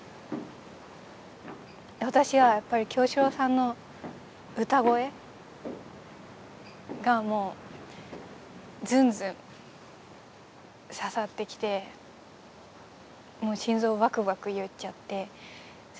私はやっぱり清志郎さんの歌声がもうズンズン刺さってきてもう心臓バクバクいっちゃってそれで虜になったので。